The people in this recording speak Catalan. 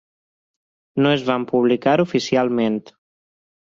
No es van publicar oficialment.